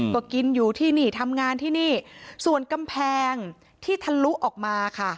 ก็กินอยู่ที่นี่ทำงานที่นี่ส่วนกำแพงที่ทะลุออกมาค่ะ